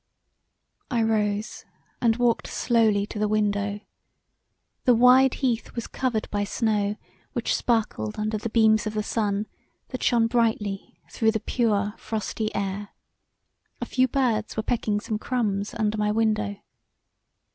I rose and walked slowly to the window; the wide heath was covered by snow which sparkled under the beams of the sun that shone brightly thro' the pure, frosty air: a few birds were pecking some crumbs under my window.